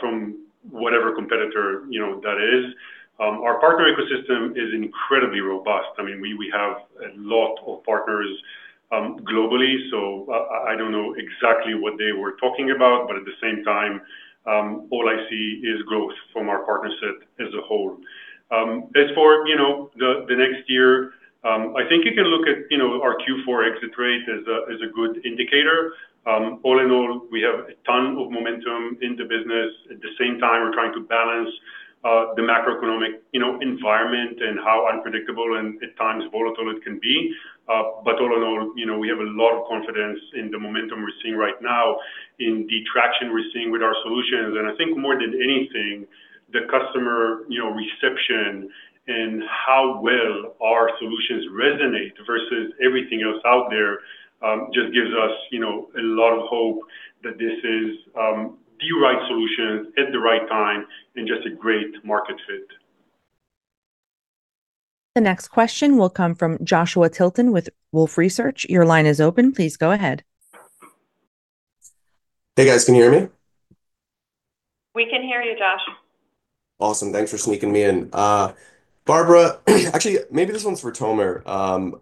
from whatever competitor that is. Our partner ecosystem is incredibly robust. I mean, we have a lot of partners globally. So I don't know exactly what they were talking about, but at the same time, all I see is growth from our partnership as a whole. As for the next year, I think you can look at our Q4 exit rate as a good indicator. All in all, we have a ton of momentum in the business. At the same time, we're trying to balance the macroeconomic environment and how unpredictable and at times volatile it can be. But all in all, we have a lot of confidence in the momentum we're seeing right now, in the traction we're seeing with our solutions. And I think more than anything, the customer reception and how well our solutions resonate versus everything else out there just gives us a lot of hope that this is the right solution at the right time and just a great market fit. The next question will come from Joshua Tilton with Wolfe Research. Your line is open. Please go ahead. Hey, guys, can you hear me? We can hear you, Josh. Awesome. Thanks for sneaking me in. Barbara, actually, maybe this one's for Tomer.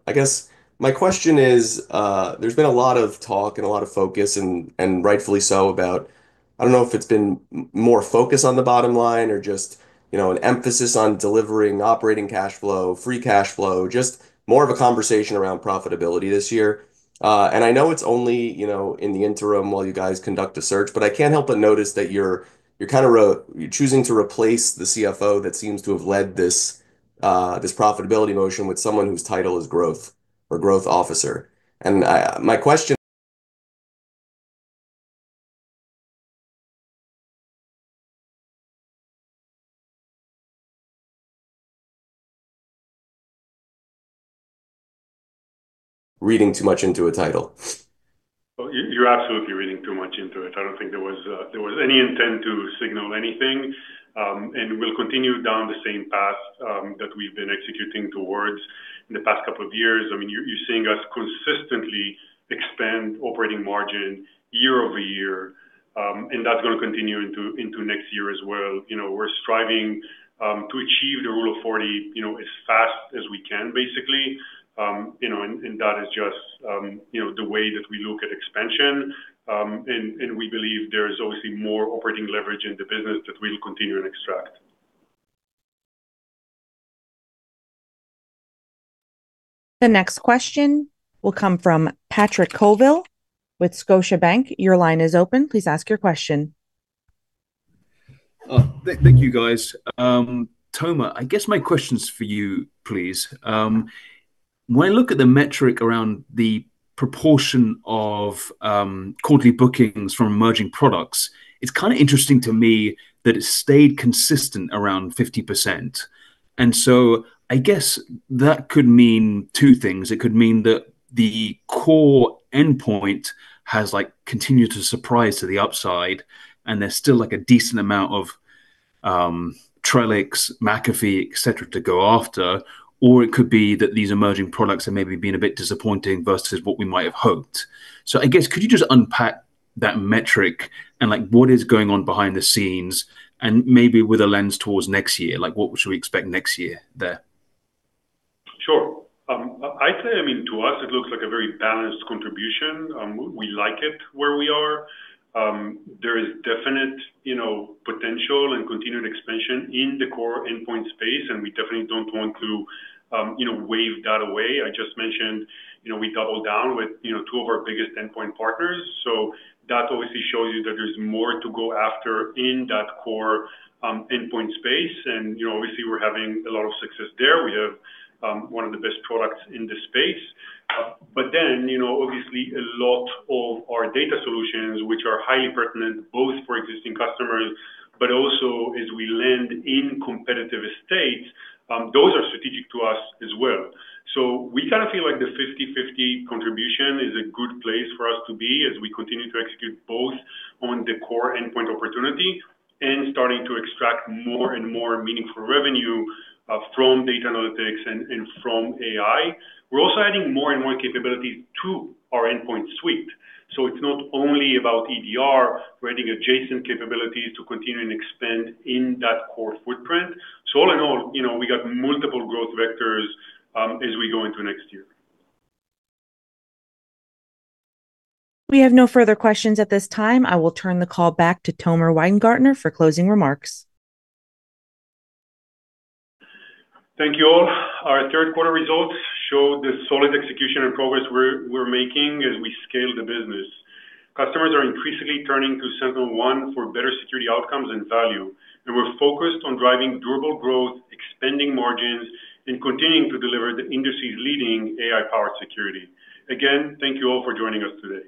I guess my question is, there's been a lot of talk and a lot of focus, and rightfully so, about, I don't know if it's been more focus on the bottom line or just an emphasis on delivering operating cash flow, free cash flow, just more of a conversation around profitability this year. And I know it's only in the interim while you guys conduct a search, but I can't help but notice that you're kind of choosing to replace the CFO that seems to have led this profitability motion with someone whose title is growth or growth officer. And my question reading too much into a title? You're absolutely reading too much into it. I don't think there was any intent to signal anything. And we'll continue down the same path that we've been executing towards in the past couple of years. I mean, you're seeing us consistently expand operating margin year-over-year. And that's going to continue into next year as well. We're striving to achieve the Rule of 40 as fast as we can, basically. And that is just the way that we look at expansion. And we believe there's obviously more operating leverage in the business that we'll continue and extract. The next question will come from Patrick Colville with Scotiabank. Your line is open. Please ask your question. Thank you, guys. Tomer, I guess my question's for you, please. When I look at the metric around the proportion of quarterly bookings from emerging products, it's kind of interesting to me that it stayed consistent around 50%. And so I guess that could mean two things. It could mean that the core endpoint has continued to surprise to the upside, and there's still a decent amount of Trellix, McAfee, etc. to go after. Or it could be that these emerging products are maybe being a bit disappointing versus what we might have hoped. So I guess, could you just unpack that metric and what is going on behind the scenes? And maybe with a lens towards next year, what should we expect next year there? Sure. I'd say, I mean, to us, it looks like a very balanced contribution. We like it where we are. There is definite potential and continued expansion in the core endpoint space, and we definitely don't want to wave that away. I just mentioned we doubled down with two of our biggest endpoint partners. So that obviously shows you that there's more to go after in that core endpoint space. And obviously, we're having a lot of success there. We have one of the best products in the space. But then, obviously, a lot of our data solutions, which are highly pertinent both for existing customers, but also as we land in competitive estates, those are strategic to us as well. So we kind of feel like the 50/50 contribution is a good place for us to be as we continue to execute both on the core endpoint opportunity and starting to extract more and more meaningful revenue from data analytics and from AI. We're also adding more and more capabilities to our endpoint suite. So it's not only about EDR, we're adding adjacent capabilities to continue and expand in that core footprint. So all in all, we got multiple growth vectors as we go into next year. We have no further questions at this time. I will turn the call back to Tomer Weingarten for closing remarks. Thank you all. Our third-quarter results show the solid execution and progress we're making as we scale the business. Customers are increasingly turning to SentinelOne for better security outcomes and value. And we're focused on driving durable growth, expanding margins, and continuing to deliver the industry's leading AI-powered security. Again, thank you all for joining us today.